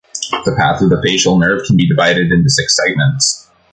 The path of the facial nerve can be divided into six segments.